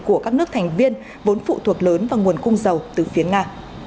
của các nước thành viên vốn phụ thuộc lớn vào nguồn cung dầu từ phía nga